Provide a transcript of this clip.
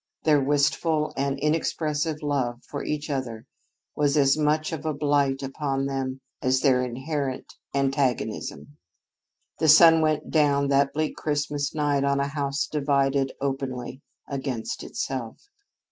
Their wistful and inexpressive love for each other was as much of a blight upon them as their inherent antagonism. The sun went down that bleak Christmas night on a house divided openly against itself.